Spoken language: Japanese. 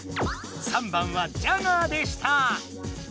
３番はジャガーでした。